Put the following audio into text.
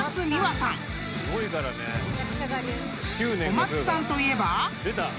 ［小松さんといえば］